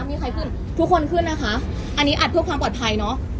มีใครขึ้นทุกคนขึ้นนะคะอันนี้อัดเพื่อความปลอดภัยเนอะ